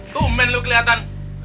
kumen lu keliatan